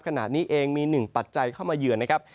ขณะนี้เองมีหนึ่งปัจจัยเข้ามาเยือนนะครับ